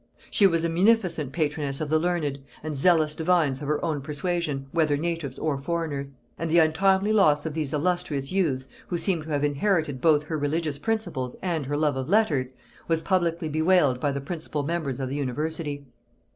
She was a munificent patroness of the learned and zealous divines of her own persuasion, whether natives or foreigners; and the untimely loss of these illustrious youths, who seem to have inherited both her religious principles and her love of letters, was publicly bewailed by the principal members of the university.